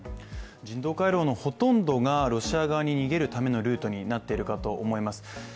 人道回廊のほとんどがロシア側に逃げるためのルートになっているかと思います。